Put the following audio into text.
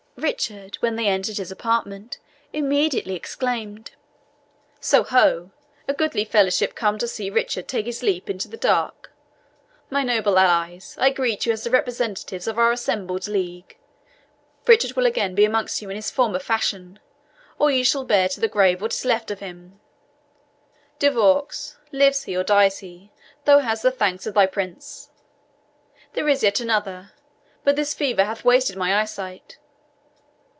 Richard, when they entered his apartment, immediately exclaimed, "So ho! a goodly fellowship come to see Richard take his leap in the dark. My noble allies, I greet you as the representatives of our assembled league; Richard will again be amongst you in his former fashion, or ye shall bear to the grave what is left of him. De Vaux, lives he or dies he, thou hast the thanks of thy prince. There is yet another but this fever hath wasted my eyesight.